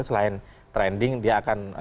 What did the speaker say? selain trending dia akan